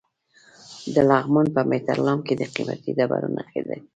د لغمان په مهترلام کې د قیمتي ډبرو نښې دي.